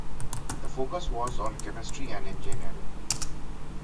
The focus was on chemistry and engineering.